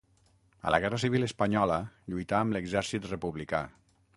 A la guerra civil espanyola lluità amb l'exèrcit republicà.